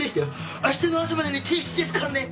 明日の朝までに提出ですからね！